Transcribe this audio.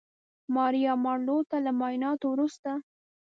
ماریا مارلو ته له معاینانو وروسته